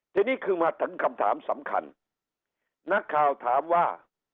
ทีนี้คือมาถึงคำถามสำคัญนักข่าวถามว่า